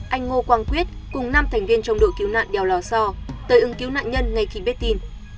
anh ngô quang quyết cùng năm thành viên trong đội cứu nạn đèo lò so tới ưng cứu nạn nhân ngay khi biết tin